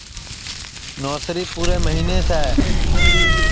نوسری پُورے مہینس ہے